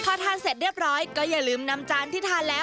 พอทานเสร็จเรียบร้อยก็อย่าลืมนำจานที่ทานแล้ว